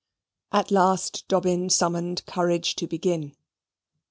At last Dobbin summoned courage to begin.